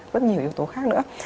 rất nhiều yếu tố khác nữa